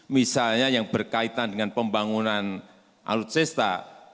misalnya yang berkaitan dengan pembangunan alutsista